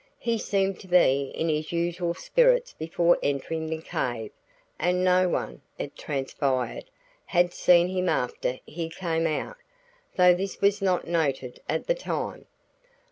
He seemed to be in his usual spirits before entering the cave, and no one, it transpired, had seen him after he came out, though this was not noted at the time.